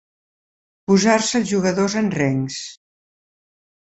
Posar-se els jugadors en rengs.